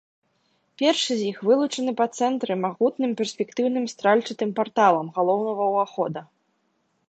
Першы з іх вылучаны па цэнтры магутным перспектыўным стральчатым парталам галоўнага ўвахода.